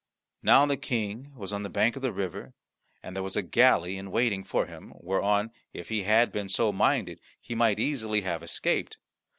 Now the King was on the bank of the river, and there was a galley in waiting for him, whereon, if he had been so minded, he might easily have escaped.